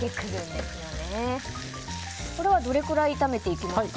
これはどのくらい炒めていきますか？